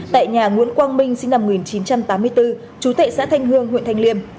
tại nhà nguyễn quang minh sinh năm một nghìn chín trăm tám mươi bốn chú tệ xã thanh hương huyện thanh liêm